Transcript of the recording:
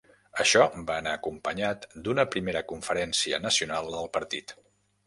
Això va anar acompanyat d'una Primera Conferència Nacional del partit.